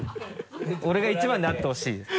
俺が一番であってほしいです。